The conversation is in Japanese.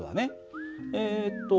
えっと